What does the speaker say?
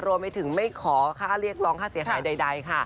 รวมไปถึงไม่ขอค่าเรียกร้องค่าเสียหายใดค่ะ